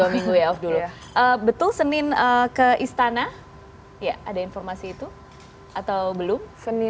dua minggu ya betul senin ke istana ya ada informasi itu atau belum